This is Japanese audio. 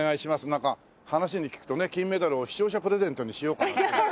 なんか話に聞くとね金メダルを視聴者プレゼントにしようかなって。